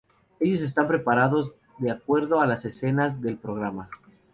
Ellos están preparados de acuerdo a las necesidades del programa.